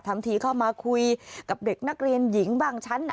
ทำทีเข้ามาคุยกับเด็กนักเรียนหญิงบ้างชั้น